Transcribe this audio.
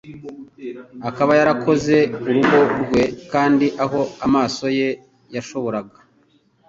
akaba yarakoze urugo rwe kandi aho amaso ye yashoboraga